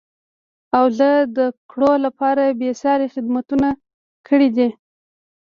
او زده کړو لپاره بېسارې خدمتونه کړیدي.